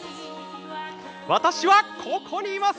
私は、ここにいます！